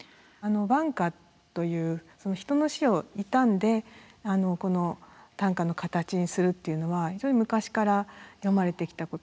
挽歌という人の死を悼んで短歌の形にするっていうのは昔から詠まれてきたことで。